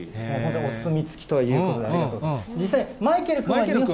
お墨付きということで、ありがとうございます。